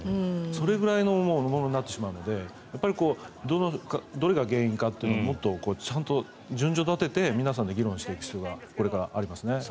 それぐらいのものになってしまうのでどれが原因かというのをもっとちゃんと順序立てて皆さんで議論していく必要がこれからありますね。